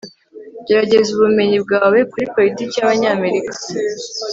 gerageza ubumenyi bwawe kuri politiki y'abanyamerika